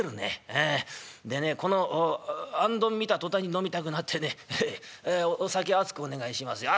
ええでねこの行灯見た途端に飲みたくなってねええお酒熱くお願いしますよ」。